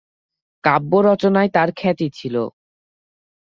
কাব্য রচনায় তার খ্যাতি ছিল।